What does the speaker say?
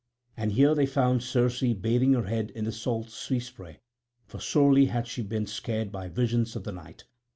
And here they found Circe bathing her head in the salt sea spray, for sorely had she been scared by visions of the night.